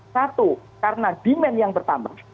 satu karena demand yang bertambah